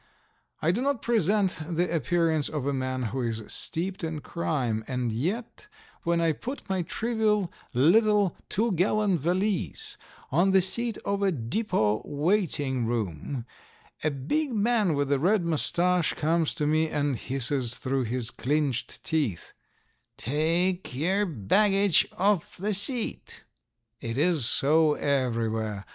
I do not present the appearance of a man who is steeped in crime, and yet when I put my trivial little two gallon valise on the seat of a depot waiting room a big man with a red moustache comes to me and hisses through his clinched teeth: "Take yer baggage off the seat!!" It is so everywhere.